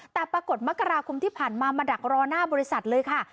แต่ปรากฏมกราคมที่ผ่านมามาดักรอหน้าบริษัทเลยค่ะ